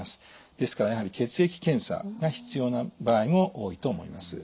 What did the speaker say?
ですからやはり血液検査が必要な場合も多いと思います。